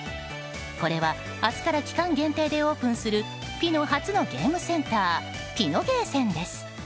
これは明日から期間限定でオープンするピノ初のゲームセンターピノゲーセンです。